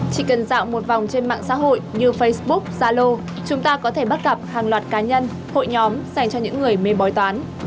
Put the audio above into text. chỉ cần dạo một vòng trên mạng xã hội như facebook zalo chúng ta có thể bắt gặp hàng loạt cá nhân hội nhóm dành cho những người mê bói toán